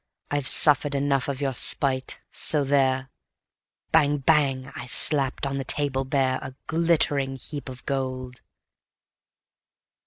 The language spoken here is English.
I've suffered enough of your spite ... so there!" Bang! Bang! I slapped on the table bare A glittering heap of gold.